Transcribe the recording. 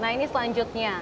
nah ini selanjutnya